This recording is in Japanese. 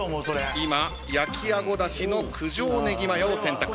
今焼きあごだしの九条ねぎマヨを選択。